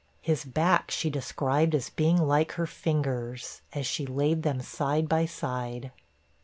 His back she described as being like her fingers, as she laid them side by side.